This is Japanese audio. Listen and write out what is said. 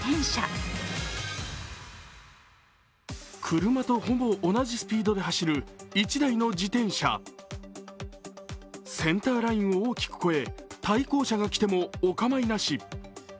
車とほぼ同じスピードで走る１台の自転車センターラインを大きく越え、対向車が来てもお構いなし。